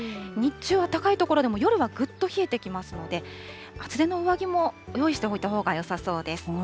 日中は高い所でも夜はぐっと冷えてきますので、厚手の上着も用意しておいたほうがよさそうです。